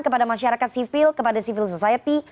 kepada masyarakat sipil kepada civil society